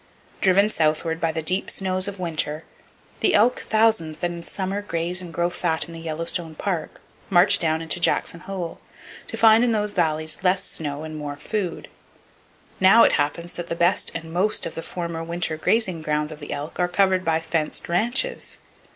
Driven southward by the deep snows of winter, the elk thousands that in summer graze and grow fat in the Yellowstone Park march down into Jackson Hole, to find in those valleys less snow and more food. Now, it happens that the best and most of the former winter grazing grounds of the elk are covered by fenced ranches!